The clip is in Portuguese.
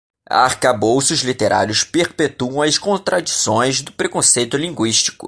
Arcabouços literários perpetuam as contradições do preconceito linguístico